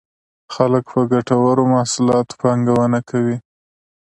خلک په ګټورو محصولاتو پانګونه کوي.